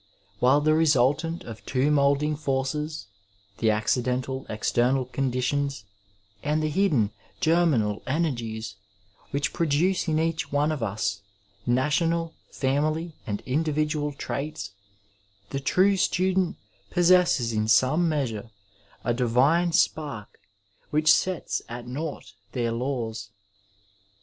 While the resultant of two mould ing forces, the accidental, external conditions, and the hidden germinal energies, which produce in each one of us national, family, and individual traits, the true student possesses in some measure a divine spark which sets at naught their laws.